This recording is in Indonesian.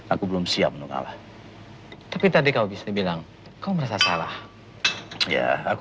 aku belum siap mengalah tapi tadi kau bisa bilang kau merasa salah ya aku